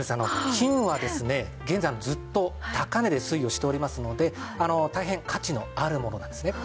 金はですね現在ずっと高値で推移をしておりますので大変価値のあるものなんですね。